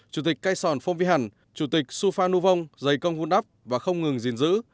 chủ tịch cây sòn phong vy hẳn chủ tịch su phan nhu vong giày công vũ đắp và không ngừng dình dữ